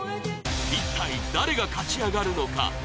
いったい誰が勝ち上がるのか？